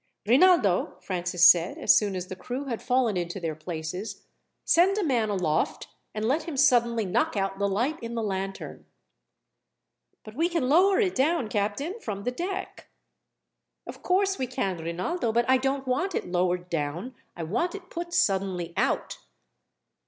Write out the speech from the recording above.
"Rinaldo," Francis said, as soon as the crew had fallen into their places, "send a man aloft, and let him suddenly knock out the light in the lantern." "But we can lower it down, captain, from the deck." "Of course we can, Rinaldo, but I don't want it lowered down, I want it put suddenly out."